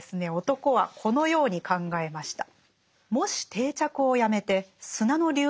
男はこのように考えました。